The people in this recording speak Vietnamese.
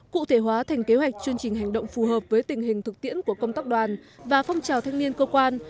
cụ thể hóa thành kế hoạch chương trình hành động phù hợp với tình hình thực tiễn của công tác đoàn và phong trào thanh niên cơ quan